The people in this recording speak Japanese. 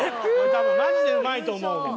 多分マジでうまいと思うもん。